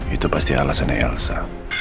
itu pasti alasannya elsa